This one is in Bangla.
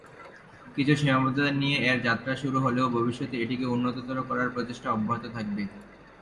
কিছু সীমাবদ্ধতা নিয়ে এর যাত্রা শুরু হলেও ভবিষ্যতে এটিকে উন্নততর করার প্রচেষ্টা অব্যাহত থাকবে।